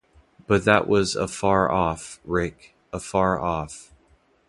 But that was afar off, Rick, afar off!